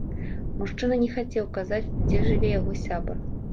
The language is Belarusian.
Мужчына не хацеў казаць, дзе жыве яго сябар.